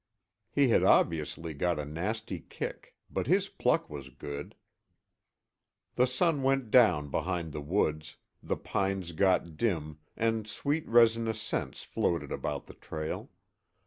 He had obviously got a nasty kick, but his pluck was good. The sun went down behind the woods, the pines got dim and sweet resinous scents floated about the trail.